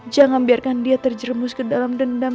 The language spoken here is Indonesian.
jangan biarkan dia terjermus ke dalam dendam